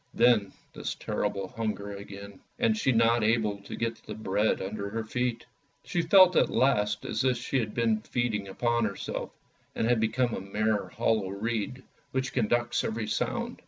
Then this terrible hunger again, and she not able to get at the bread under her feet. She felt at last as if she had been feeding upon herself, and had become a mere hollow reed which conducts every sound.